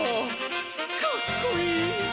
かっこいい。